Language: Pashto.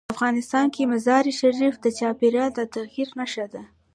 افغانستان کې مزارشریف د چاپېریال د تغیر نښه ده.